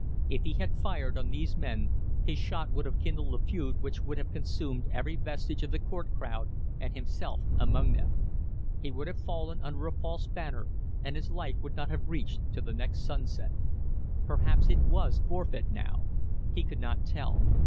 If he had fired on these men his shot would have kindled a feud which would have consumed every vestige of the court crowd and himself among them. He would have fallen under a false banner, and his life would not have reached to the next sunset. Perhaps it was forfeit now he could not tell.